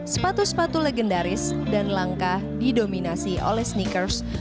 sepatu sepatu legendaris dan langka didominasi oleh sneakers